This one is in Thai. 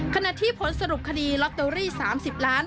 ขณะที่ผลสรุปคดีลอตเตอรี่๓๐ล้าน